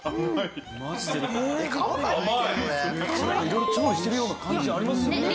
色々調理してるような感じありますよね。